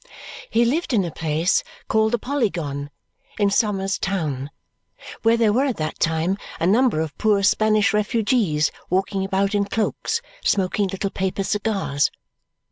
He lived in a place called the Polygon, in Somers Town, where there were at that time a number of poor Spanish refugees walking about in cloaks, smoking little paper cigars.